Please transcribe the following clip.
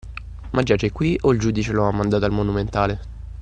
Ma giace qui, o il giudice lo ha mandato al Monumentale?